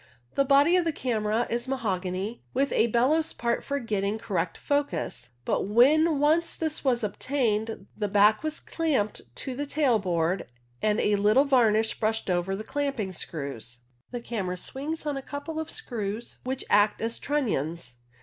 The body of the camera is mahogany, with a bellows part for getting correct focus, but when once this was obtained the back was clamped to the tail board and a little varnish brushed over the clamping screws. The camera swings on a couple of screws, which act as trunnions.